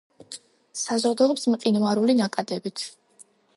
საზრდოობს მყინვარული ნაკადებით.